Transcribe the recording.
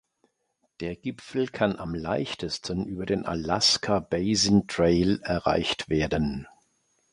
Der Gipfel kann am leichtesten über den "Alaska Basin Trail" erreicht werden.